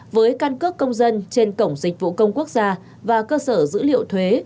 với căn cước công dân trên cổng dịch vụ công quốc gia và cơ sở dữ liệu thuế